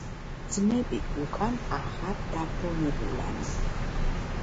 ძმები უკან აღარ დაბრუნებულან.